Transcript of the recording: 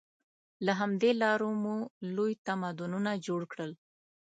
له همدې لارې مو لوی تمدنونه جوړ کړل.